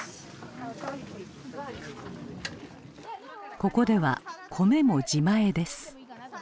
ここでは米も自前です。